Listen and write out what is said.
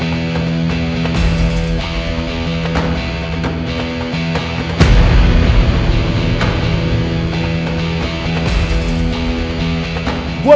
kita berdua ya udah